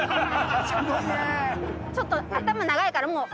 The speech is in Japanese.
ちょっと頭長いからもう。